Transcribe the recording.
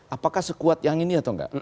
apakah sekuat yang ini atau enggak